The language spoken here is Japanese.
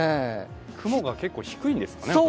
雲が結構低いんですかね。